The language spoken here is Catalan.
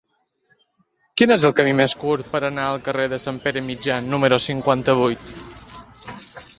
Quin és el camí més curt per anar al carrer de Sant Pere Mitjà número cinquanta-vuit?